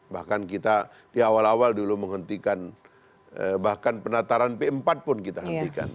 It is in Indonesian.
bahkan kita di awal awal dulu menghentikan bahkan penataran p empat pun kita hentikan